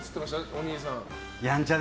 お兄さん。